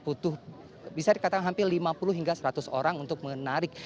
butuh bisa dikatakan hampir lima puluh hingga seratus orang untuk menarik